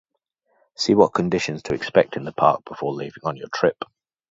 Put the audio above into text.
See what conditions to expect in the park before leaving on your trip!